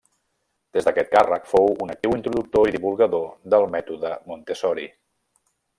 Des d'aquest càrrec fou un actiu introductor i divulgador del mètode Montessori.